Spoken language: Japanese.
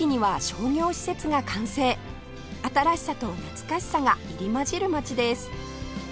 新しさと懐かしさが入り交じる街です